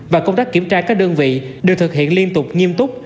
và công tác kiểm tra các đơn vị được thực hiện liên tục nghiêm túc